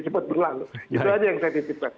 cepat berlalu itu saja yang saya disipat